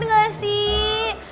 bener gak sih